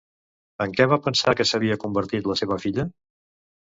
En què va pensar que s'havia convertit la seva filla?